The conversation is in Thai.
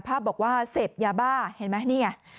ตรภาพบอกว่าเสพยาบ้าเห็นมั้ยเนี่ย